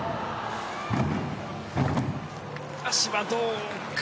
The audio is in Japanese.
足はどうか。